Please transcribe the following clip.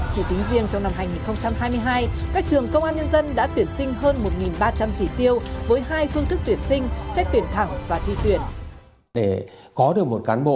chỉ tính riêng trong năm hai nghìn hai mươi hai các trường công an nhân dân đã tuyển sinh hơn một ba trăm linh chỉ tiêu với hai phương thức tuyển sinh xét tuyển thẳng và thi tuyển